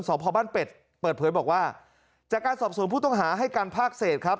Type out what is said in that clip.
สอบพอบ้านเป็ดเปิดเผยบอกว่าจากการสอบสวนผู้ต้องหาให้การภาคเศษครับ